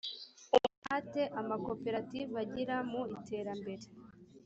umuhate amakoperative agira mu iterambere